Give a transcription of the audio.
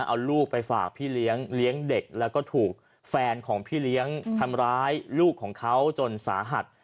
เอาลูกไปฝากพี่เลี้ยงเลี้ยงเด็กแล้วก็ถูกแฟนของพี่เลี้ยงทำร้ายลูกของเขาจนสาหัส